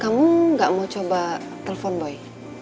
kamu ga mau coba telpon boy